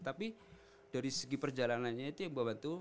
tapi dari segi perjalanannya itu yang membantu